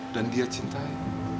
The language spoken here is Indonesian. dan dia cintai